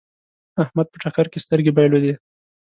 احمد په ټکر کې سترګې بايلودې.